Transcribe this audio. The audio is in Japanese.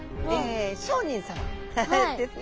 商人さまですね。